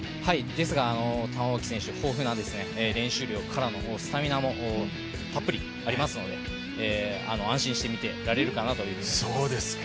ですが玉置選手、豊富な練習量からのスタミナもたっぷりありますので、安心して見てられるかなと思います。